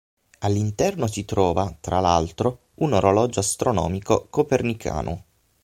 All'interno si trova, tra l'altro, un orologio astronomico copernicano.